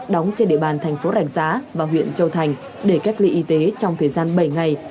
đóng trên địa bàn thành phố rạch giá và huyện châu thành để cách ly y tế trong thời gian bảy ngày